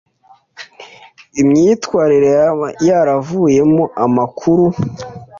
Imyitwarire yaba yaravuyemo amakuru